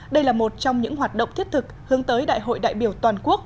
đây là một trong những hoạt động thiết thực hướng tới đại hội đại biểu toàn quốc